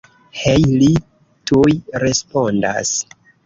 Hej, li tuj respondas.